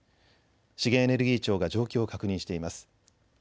資源エネルギー庁が状況を確認しています。